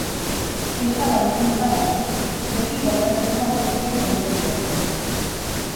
Ehiza baimenduta dago, beti Gobernuko Agentzien kontrolpean.